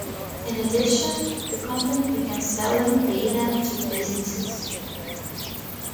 In addition, the company began selling data to businesses.